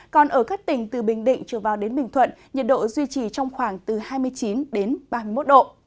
còn ở các tỉnh từ bình định trở vào đến bình thuận nhiệt độ duy trì trong khoảng từ hai mươi chín ba mươi một độ